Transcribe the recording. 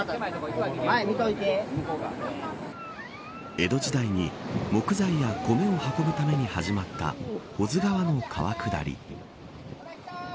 江戸時代に木材や米を運ぶために始まった保津川の川下り。